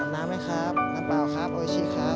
น้ำไหมครับน้ำเปล่าครับโอชิครับ